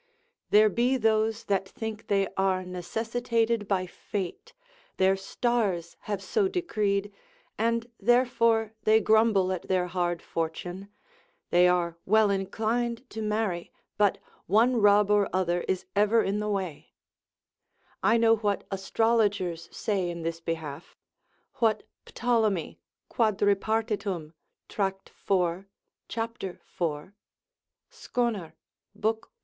There be those that think they are necessitated by fate, their stars have so decreed, and therefore they grumble at their hard fortune, they are well inclined to marry, but one rub or other is ever in the way; I know what astrologers say in this behalf, what Ptolemy quadripartit. Tract. 4. cap. 4. Skoner lib. 1.